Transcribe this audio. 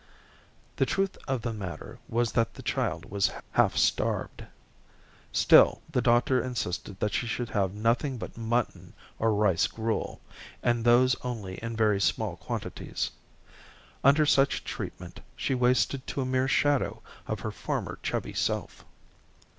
The truth of the matter was that the child was half starved. Still the doctor insisted that she should have nothing but mutton or rice gruel, and those only in very small quantities. Under such treatment she wasted to a mere shadow of her former chubby self.